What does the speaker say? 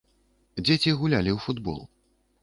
Дзеці гулялі ў футбол.